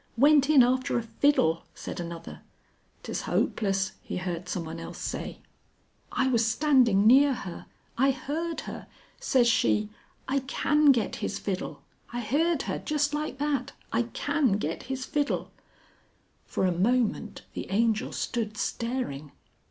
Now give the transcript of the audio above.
"Went in after a fiddle," said another. "'Tas hopeless," he heard someone else say. "I was standing near her. I heerd her. Says she: 'I can get his fiddle.' I heerd her Just like that! 'I can get his fiddle.'" For a moment the Angel stood staring.